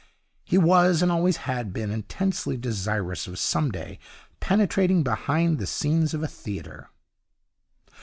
He was, and always had been, intensely desirous of some day penetrating behind the scenes of a theatre.